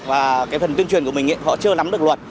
và phần tuyên truyền của mình họ chưa nắm được luật